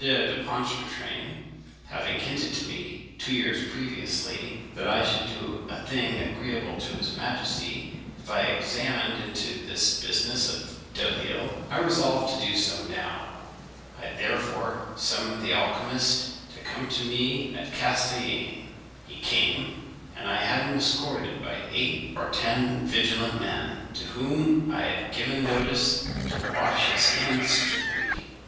de Pontchartrain having hinted to me, two years previously, that I should do a thing agreeable to his majesty if I examined into this business of Delisle, I resolved to do so now. I therefore summoned the alchymist to come to me at Castellane. He came; and I had him escorted by eight or ten vigilant men, to whom I had given notice to watch his hands strictly.